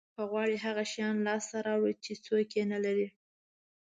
که غواړی هغه شیان لاسته راوړی چې هیڅوک یې نه لري